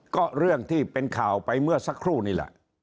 ก็เรื่องที่เป็นข่าวไปเมื่อสักครู่นี่แหละ